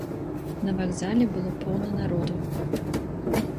На вакзале было поўна народу.